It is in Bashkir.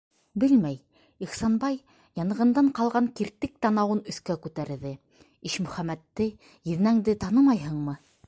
Белмәй, - Ихсанбай, янғындан ҡалған киртек танауын өҫкә күтәрҙе, - Ишмөхәмәтте, еҙнәңде танымайһыңмы?